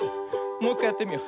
もういっかいやってみよう。